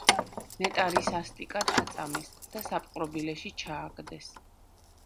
ნეტარი სასტიკად აწამეს და საპყრობილეში ჩააგდეს.